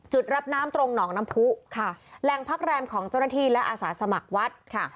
จุดรับน้ำตรงหนองน้ำผู้ค่ะแหล่งพักแรมของเจ้าหน้าที่และอาสาสมัครวัดค่ะ